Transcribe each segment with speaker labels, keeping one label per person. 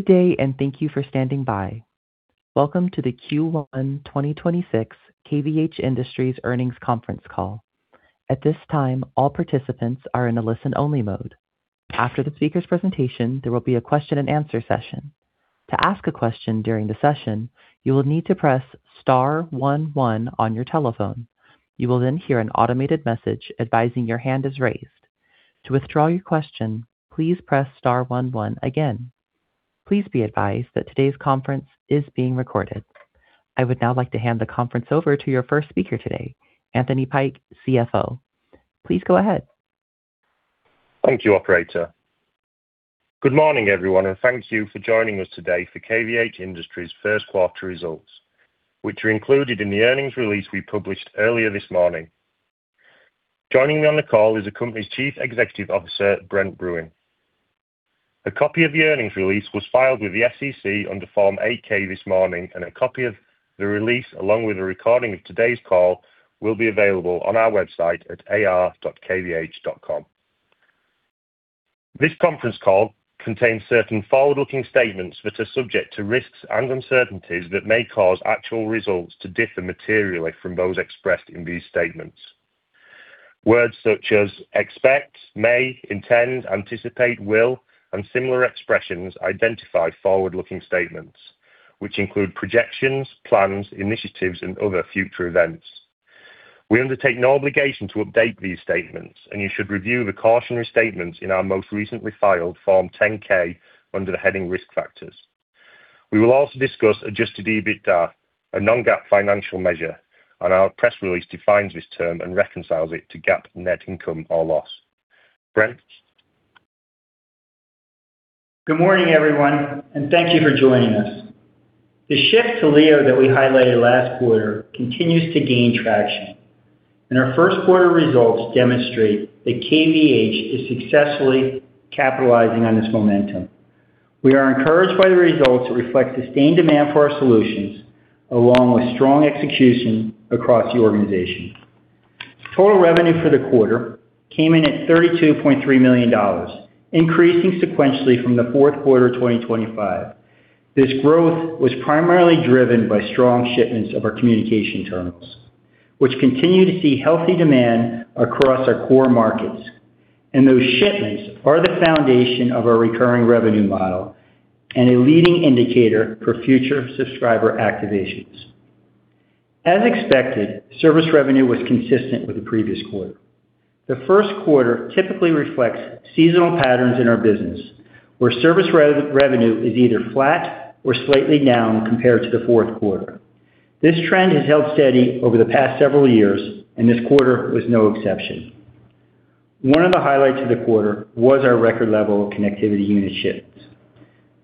Speaker 1: Good day, and thank you for standing by. Welcome to the Q1 2026 KVH Industries Earnings Conference Call. At this time, all participants are in a listen-only mode. After the speaker's presentation, there will be a question and answer session. To ask a question during the session, you will need to press star one one on your telephone. You will then hear an automated message advising your hand is raised. To withdraw your question, please press star one one again. Please be advised that today's conference is being recorded. I would now like to hand the conference over to your first speaker today, Anthony Pike, CFO. Please go ahead.
Speaker 2: Thank you, operator. Good morning, everyone, and thank you for joining us today for KVH Industries first quarter results, which are included in the earnings release we published earlier this morning. Joining me on the call is the company's Chief Executive Officer, Brent Bruun. A copy of the earnings release was filed with the SEC under Form 8-K this morning, and a copy of the release, along with a recording of today's call, will be available on our website at investors.kvh.com. This conference call contains certain forward-looking statements that are subject to risks and uncertainties that may cause actual results to differ materially from those expressed in these statements. Words such as expect, may, intend, anticipate, will, and similar expressions identify forward-looking statements, which include projections, plans, initiatives, and other future events. We undertake no obligation to update these statements. You should review the cautionary statements in our most recently filed Form 10-K under the heading Risk Factors. We will also discuss adjusted EBITDA, a non-GAAP financial measure. Our press release defines this term and reconciles it to GAAP net income or loss. Brent.
Speaker 3: Good morning, everyone, and thank you for joining us. The shift to LEO that we highlighted last quarter continues to gain traction. Our first quarter results demonstrate that KVH is successfully capitalizing on this momentum. We are encouraged by the results that reflect sustained demand for our solutions, along with strong execution across the organization. Total revenue for the quarter came in at $32.3 million, increasing sequentially from the fourth quarter 2025. This growth was primarily driven by strong shipments of our communication terminals, which continue to see healthy demand across our core markets. Those shipments are the foundation of our recurring revenue model and a leading indicator for future subscriber activations. As expected, service revenue was consistent with the previous quarter. The first quarter typically reflects seasonal patterns in our business, where service revenue is either flat or slightly down compared to the fourth quarter. This trend has held steady over the past several years, and this quarter was no exception. One of the highlights of the quarter was our record level of connectivity unit shipments.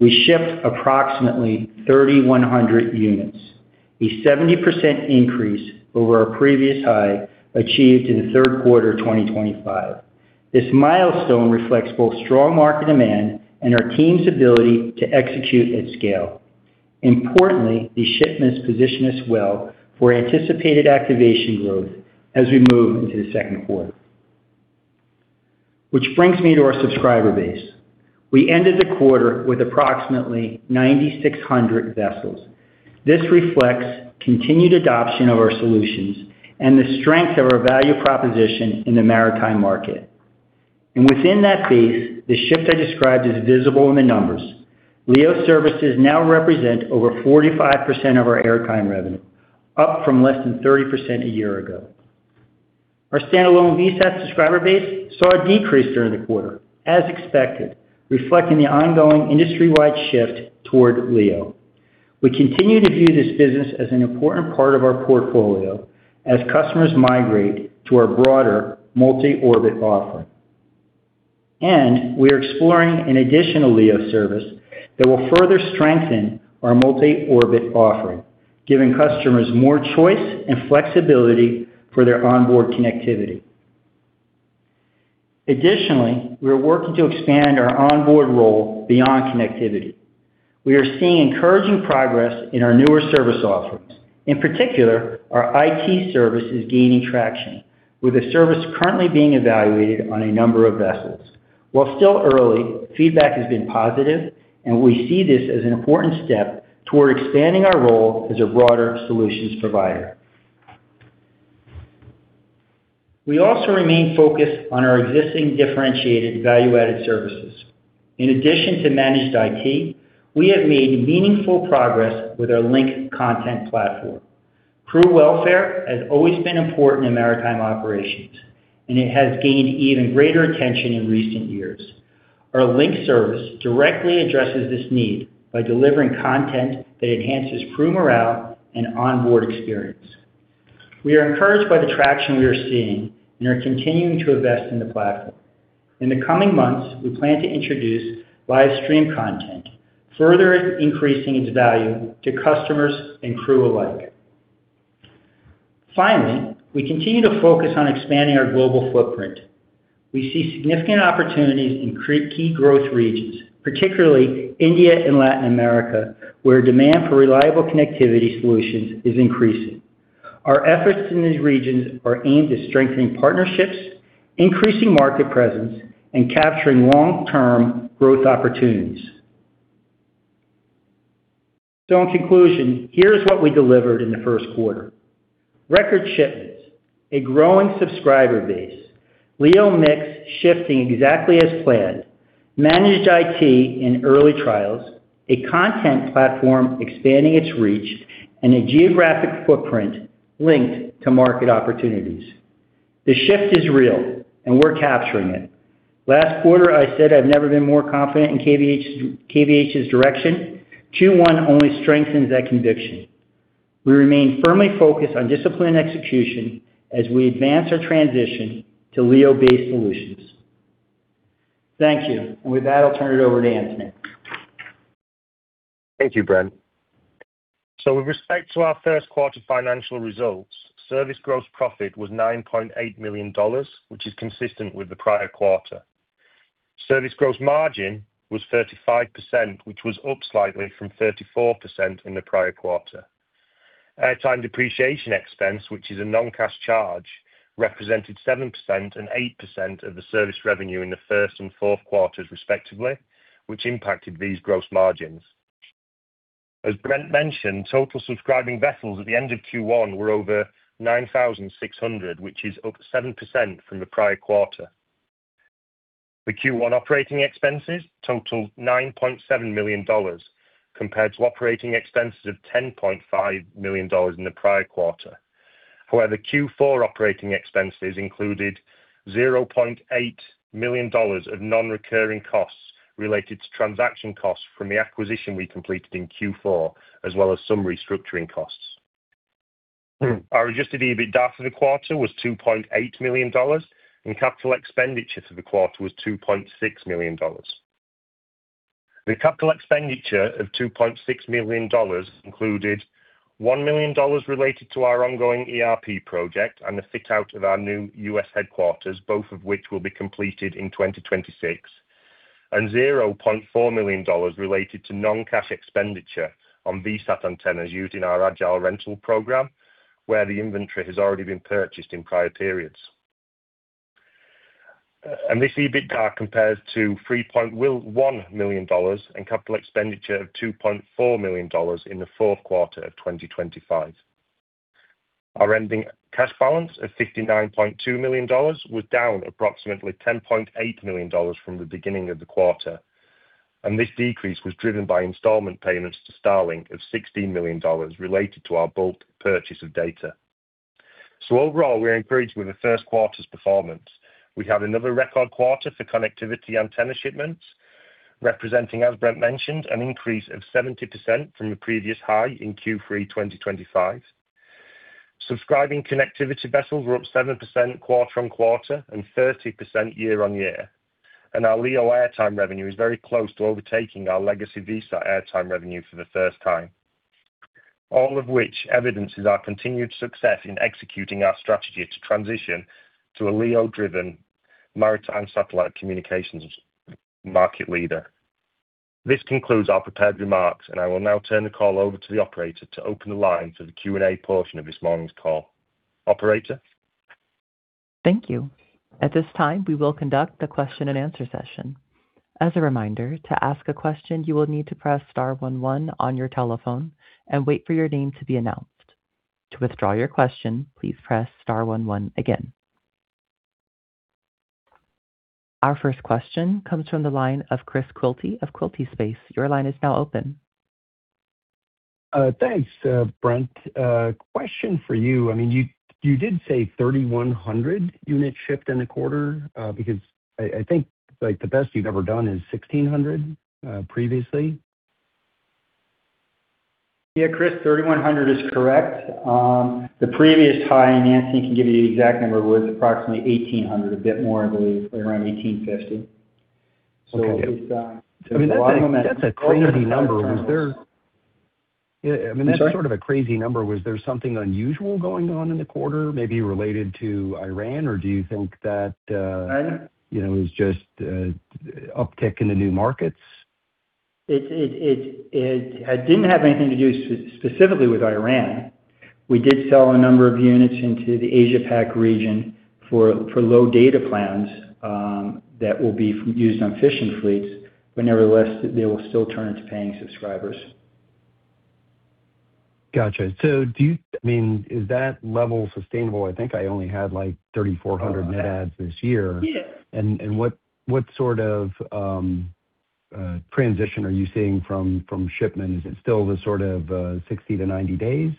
Speaker 3: We shipped approximately 3,100 units, a 70% increase over our previous high achieved in the third quarter 2025. This milestone reflects both strong market demand and our team's ability to execute at scale. Importantly, these shipments position us well for anticipated activation growth as we move into the second quarter. Which brings me to our subscriber base. We ended the quarter with approximately 9,600 vessels. This reflects continued adoption of our solutions and the strength of our value proposition in the maritime market. Within that base, the shift I described is visible in the numbers. LEO services now represent over 45% of our airtime revenue, up from less than 30% a year ago. Our standalone VSAT subscriber base saw a decrease during the quarter, as expected, reflecting the ongoing industry-wide shift toward LEO. We continue to view this business as an important part of our portfolio as customers migrate to our broader multi-orbit offering. We are exploring an additional LEO service that will further strengthen our multi-orbit offering, giving customers more choice and flexibility for their onboard connectivity. Additionally, we are working to expand our onboard role beyond connectivity. We are seeing encouraging progress in our newer service offerings. In particular, our IT service is gaining traction, with the service currently being evaluated on a number of vessels. While still early, feedback has been positive, and we see this as an important step toward expanding our role as a broader solutions provider. We also remain focused on our existing differentiated value-added services. In addition to managed IT, we have made meaningful progress with our Link content platform. Crew welfare has always been important in maritime operations, and it has gained even greater attention in recent years. Our Link service directly addresses this need by delivering content that enhances crew morale and onboard experience. We are encouraged by the traction we are seeing and are continuing to invest in the platform. In the coming months, we plan to introduce live stream content, further increasing its value to customers and crew alike. Finally, we continue to focus on expanding our global footprint. We see significant opportunities in key growth regions, particularly India and Latin America, where demand for reliable connectivity solutions is increasing. Our efforts in these regions are aimed at strengthening partnerships, increasing market presence, and capturing long-term growth opportunities. In conclusion, here's what we delivered in the first quarter. Record shipments, a growing subscriber base, LEO mix shifting exactly as planned, managed IT in early trials, a content platform expanding its reach, and a geographic footprint linked to market opportunities. The shift is real, and we're capturing it. Last quarter, I said I've never been more confident in KVH's direction. Q1 only strengthens that conviction. We remain firmly focused on disciplined execution as we advance our transition to LEO-based solutions. Thank you. With that, I'll turn it over to Anthony.
Speaker 2: Thank you, Brent. With respect to our first quarter financial results, service gross profit was $9.8 million, which is consistent with the prior quarter. Service gross margin was 35%, which was up slightly from 34% in the prior quarter. Airtime depreciation expense, which is a non-cash charge, represented 7% and 8% of the service revenue in the first and fourth quarters, respectively, which impacted these gross margins. As Brent mentioned, total subscribing vessels at the end of Q1 were over 9,600, which is up 7% from the prior quarter. The Q1 operating expenses totaled $9.7 million compared to operating expenses of $10.5 million in the prior quarter. Q4 operating expenses included $0.8 million of non-recurring costs related to transaction costs from the acquisition we completed in Q4, as well as some restructuring costs. Our adjusted EBITDA for the quarter was $2.8 million, and capital expenditure for the quarter was $2.6 million. The capital expenditure of $2.6 million included $1 million related to our ongoing ERP project and the fit out of our new U.S. headquarters, both of which will be completed in 2026, and $0.4 million related to non-cash expenditure on VSAT antennas used in our Agile rental program, where the inventory has already been purchased in prior periods. This EBITDA compares to $3.1 million and capital expenditure of $2.4 million in the fourth quarter of 2025. Our ending cash balance of $59.2 million was down approximately $10.8 million from the beginning of the quarter. This decrease was driven by installment payments to Starlink of $16 million related to our bulk purchase of data. Overall, we're encouraged with the first quarter's performance. We had another record quarter for connectivity antenna shipments, representing, as Brent mentioned, an increase of 70% from the previous high in Q3 2025. Subscribing connectivity vessels were up 7% quarter-on-quarter and 30% year-on-year. Our LEO airtime revenue is very close to overtaking our legacy VSAT airtime revenue for the first time. All of which evidences our continued success in executing our strategy to transition to a LEO-driven maritime satellite communications market leader. This concludes our prepared remarks, and I will now turn the call over to the Operator to open the line for the Q&A portion of this morning's call. Operator.
Speaker 1: Thank you. At this time, we will conduct the question-and-answer session. As a reminder, to ask a question, you will need to press star one one on your telephone and wait for your name to be announced. To withdraw your question, please press star one one again. Our first question comes from the line of Chris Quilty of Quilty Space. Your line is now open.
Speaker 4: Thanks, Brent. Question for you. I mean, you did say 3,100 units shipped in the quarter, because I think, like, the best you've ever done is 1,600 previously.
Speaker 3: Chris, 3,100 is correct. The previous high, and Anthony can give you the exact number, was approximately 1,800, a bit more, I believe, around 1,850.
Speaker 4: Okay.
Speaker 3: It's a lot of I mean, that's a crazy number. Was there I'm sorry.
Speaker 4: Yeah. I mean, that's sort of a crazy number. Was there something unusual going on in the quarter, maybe related to Iran? Do you think that, you know, it was just a uptick in the new markets?
Speaker 3: It didn't have anything to do specifically with Iran. We did sell a number of units into the Asia Pac region for low data plans that will be used on fishing fleets. Nevertheless, they will still turn into paying subscribers.
Speaker 4: Gotcha. I mean, is that level sustainable? I think I only had, like, 3,400 net adds this year.
Speaker 3: Yeah.
Speaker 4: What sort of transition are you seeing from shipments? Is it still the sort of 60 to 90 days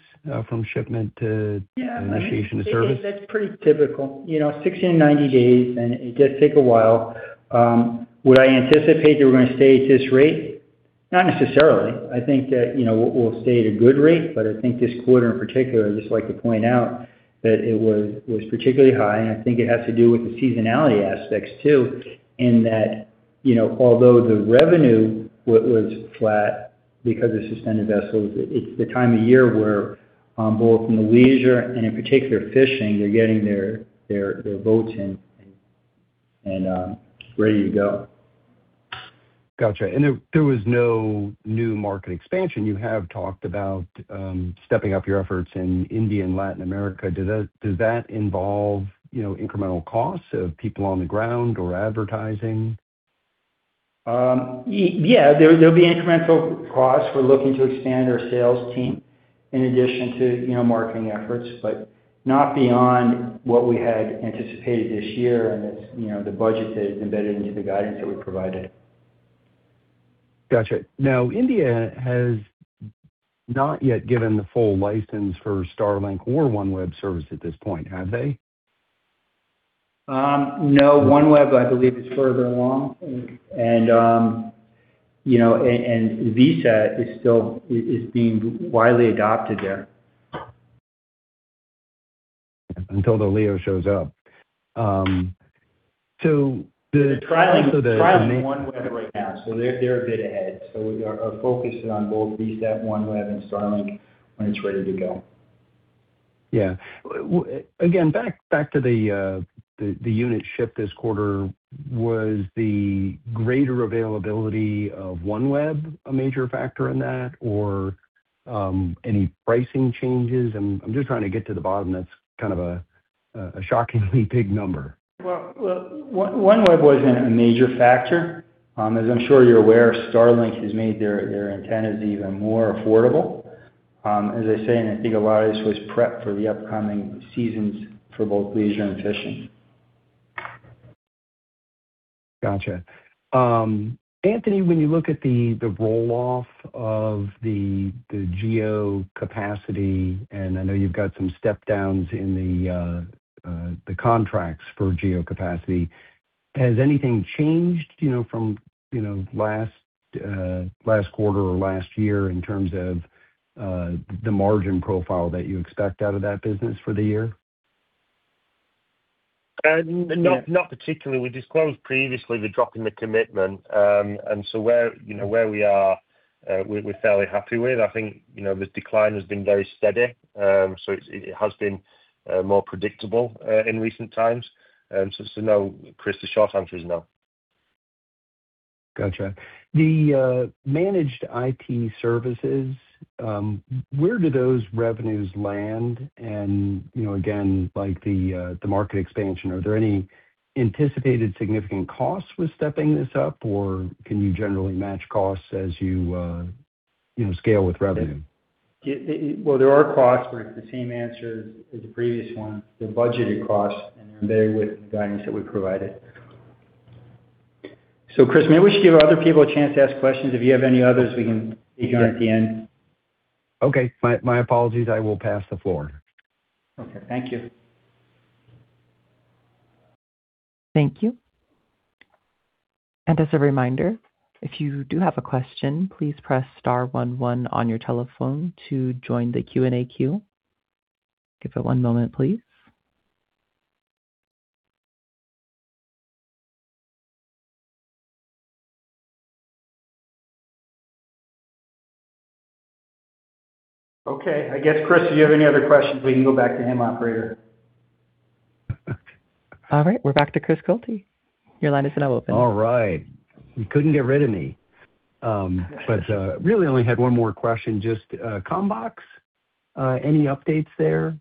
Speaker 4: from shipment? Initiation of service?
Speaker 3: That's pretty typical. You know, 60 and 90 days, and it does take a while. Would I anticipate that we're gonna stay at this rate? Not necessarily. I think that, you know, we'll stay at a good rate, but I think this quarter in particular, I'd just like to point out that it was particularly high, and I think it has to do with the seasonality aspects too, in that, you know, although the revenue was flat because of suspended vessels, it's the time of year where, both in the leisure and in particular fishing, they're getting their boats in and ready to go.
Speaker 4: Gotcha. There was no new market expansion. You have talked about stepping up your efforts in India and Latin America. Does that involve, you know, incremental costs of people on the ground or advertising?
Speaker 3: Yeah, there'll be incremental costs. We're looking to expand our sales team in addition to, you know, marketing efforts, but not beyond what we had anticipated this year, and it's, you know, the budget is embedded into the guidance that we provided.
Speaker 4: Gotcha. India has not yet given the full license for Starlink or OneWeb service at this point, have they?
Speaker 3: No. OneWeb, I believe, is further along. You know, and VSAT is being widely adopted there.
Speaker 4: Until the LEO shows up.
Speaker 3: They're trialing OneWeb right now, so they're a bit ahead. We are focusing on both VSAT, OneWeb, and Starlink when it's ready to go.
Speaker 4: Yeah. Again, back to the unit shipped this quarter. Was the greater availability of OneWeb a major factor in that or, any pricing changes? I'm just trying to get to the bottom. That's kind of a shockingly big number.
Speaker 3: Well, well, OneWeb wasn't a major factor. As I'm sure you're aware, Starlink has made their antennas even more affordable. As I say, I think a lot of this was prep for the upcoming seasons for both leisure and fishing.
Speaker 4: Gotcha. Anthony, when you look at the roll-off of the GEO capacity, and I know you've got some step-downs in the contracts for GEO capacity, has anything changed, you know, from, you know, last quarter or last year in terms of the margin profile that you expect out of that business for the year?
Speaker 2: Not particularly. We disclosed previously the drop in the commitment. Where, you know, where we are, we're fairly happy with. I think, you know, the decline has been very steady. It has been more predictable in recent times. No. Chris, the short answer is no.
Speaker 4: Gotcha. The managed IT services, where do those revenues land? You know, again, like the market expansion, are there any anticipated significant costs with stepping this up, or can you generally match costs as you know, scale with revenue?
Speaker 3: Yeah. Well, there are costs, but it's the same answer as the previous one. They're budgeted costs, and they're with the guidance that we provided. Chris, maybe we should give other people a chance to ask questions. If you have any others, we can take it on at the end.
Speaker 4: Okay. My apologies. I will pass the floor.
Speaker 3: Okay. Thank you.
Speaker 1: Thank you. As a reminder, if you do have a question, please press star one one on your telephone to join the Q&A queue. Give it one moment, please.
Speaker 3: Okay. I guess, Chris, if you have any other questions, we can go back to him, operator.
Speaker 1: All right. We're back to Chris Quilty. Your line is now open.
Speaker 4: All right. You couldn't get rid of me. Really only had one more question. Just CommBox, any updates there?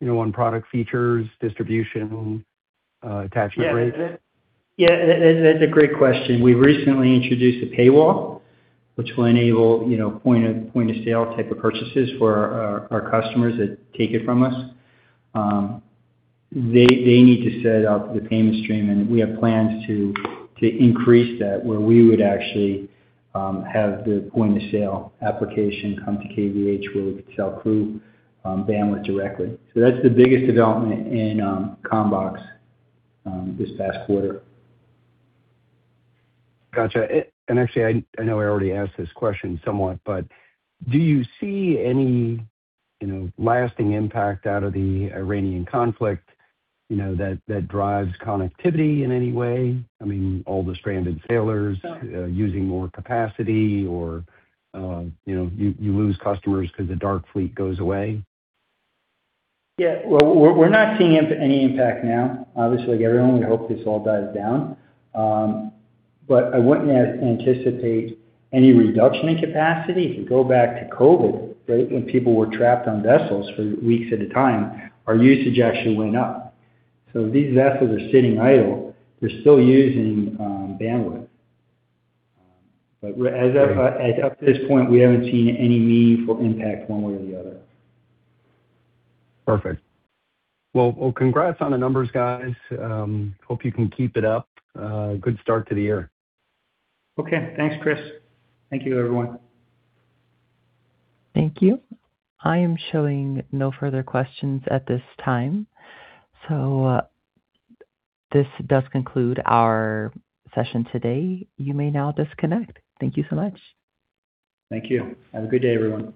Speaker 4: You know, on product features, distribution, attachment rates?
Speaker 3: Yeah. That's a great question. We recently introduced a paywall, which will enable, you know, point of sale type of purchases for our customers that take it from us. They need to set up the payment stream. We have plans to increase that, where we would actually have the point-of-sale application come to KVH, where we could sell crew bandwidth directly. That's the biggest development in CommBox this past quarter.
Speaker 4: Gotcha. Actually, I know I already asked this question somewhat, but do you see any, you know, lasting impact out of the Iranian conflict, that drives connectivity in any way?
Speaker 3: No.
Speaker 4: Using more capacity or, you know, you lose customers because the dark fleet goes away?
Speaker 3: Well, we're not seeing any impact now. Obviously, like everyone, we hope this all dies down. I wouldn't anticipate any reduction in capacity. If you go back to COVID, right, when people were trapped on vessels for weeks at a time, our usage actually went up. If these vessels are sitting idle, they're still using bandwidth. As of this point, we haven't seen any meaningful impact one way or the other.
Speaker 4: Perfect. Well, congrats on the numbers, guys. Hope you can keep it up. Good start to the year.
Speaker 3: Okay. Thanks, Chris. Thank you, everyone.
Speaker 1: Thank you. I am showing no further questions at this time. This does conclude our session today. You may now disconnect. Thank you so much.
Speaker 3: Thank you. Have a good day, everyone.